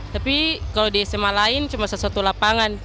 tapi kalau di sma lain cuma satu lapangan